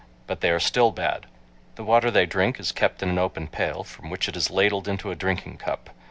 But they are still bad. The water they drink is kept in an open pail, from which it is ladled into a drinking cup.